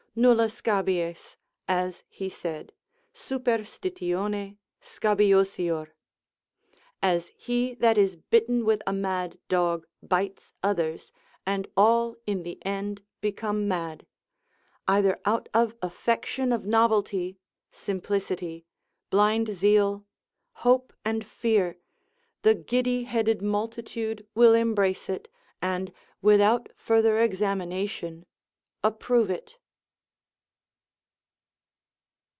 Nulla scabies, as he said, superstitione scabiosior; as he that is bitten with a mad dog bites others, and all in the end become mad; either out of affection of novelty, simplicity, blind zeal, hope and fear, the giddy headed multitude will embrace it, and without further examination approve it.